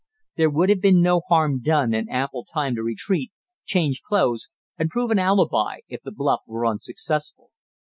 There would have been no harm done and ample time to retreat, change clothes, and prove an alibi if the bluff were unsuccessful.